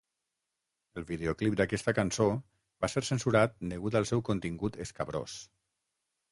El videoclip d'aquesta cançó va ser censurat degut al seu contingut escabrós.